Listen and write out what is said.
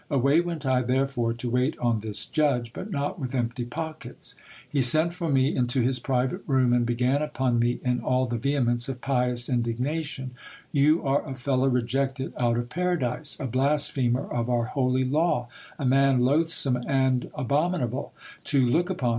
Away went I therefore to wait on this judge, but not with empty pockets. He sent for me into his private room, and began upon me in all the vehemence of pious indignation : You are a fellow rejected out of para dise ! a blasphemer of our holy law ! a man loathsome and abominable to look upon